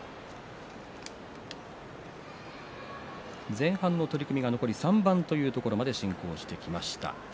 前半の取組が残り３番というところまで進行してきました。